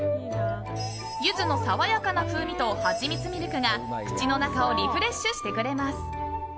ゆずの爽やかな風味とはちみつミルクが口の中をリフレッシュしてくれます。